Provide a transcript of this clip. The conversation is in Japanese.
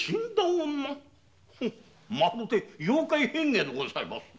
まるでよう怪変化でございますな。